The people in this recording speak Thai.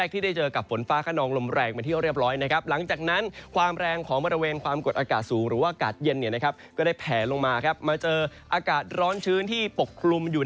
ทางตอนบนของประเทศไทยที่เป้าหมายเป็นประจี้อย